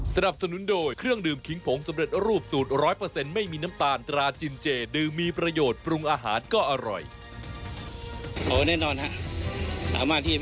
สนับสนุนโดยเครื่องดื่มขิงผงสำเร็จรูปสูตร๑๐๐ไม่มีน้ำตาลตราจินเจดื่มมีประโยชน์ปรุงอาหารก็อร่อย